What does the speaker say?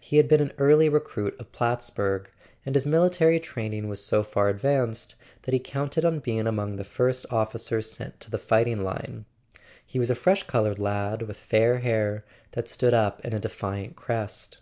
He had been an early recruit of Plattsburg, and his military training was so far advanced that he counted on being among the first officers sent to the fighting line. He was a fresh coloured lad, with fair hair that stood up in a defiant crest.